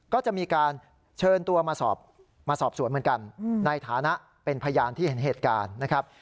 ก็จะมีการเชิญตัวมาสอบสวนเหมือนกันในฐานะเป็นพยานที่เห็นเหตุการณ์นะครับ